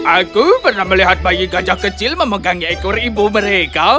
aku pernah melihat bayi gajah kecil memegangnya ekor ibu mereka